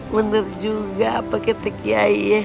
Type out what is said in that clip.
bener juga pak ketek yai